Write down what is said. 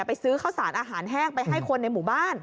ไปซื้อข้าวสารอาหารแห้งไปให้คนในหมู่บ้าน